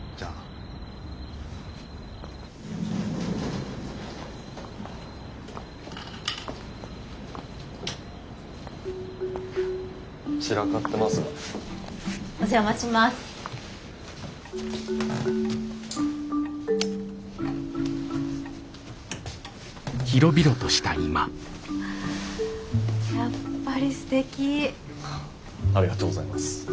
ありがとうございます。